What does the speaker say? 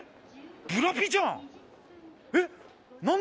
ブラピじゃん！